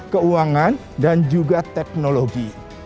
keuangan dan juga teknologi